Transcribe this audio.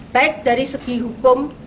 baik dari segi hukum